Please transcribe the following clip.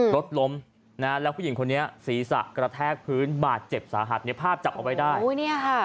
รถล้มนะฮะแล้วผู้หญิงคนนี้ศีรษะกระแทกพื้นบาดเจ็บสาหัสเนี่ยภาพจับเอาไว้ได้อุ้ยเนี่ยค่ะ